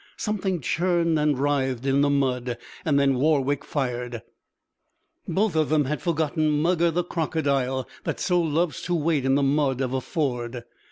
Something churned and writhed in the mud; and then Warwick fired. Both of them had forgotten Mugger, the crocodile, that so loves to wait in the mud of a ford.